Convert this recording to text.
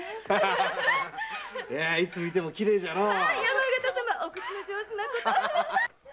いつ見てもきれいじゃのう。